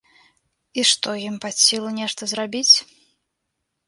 І што, ім пад сілу нешта зрабіць?